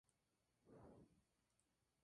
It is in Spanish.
A menudo publica bajo la abreviación de C. Carr.